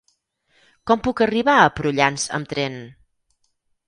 Com puc arribar a Prullans amb tren?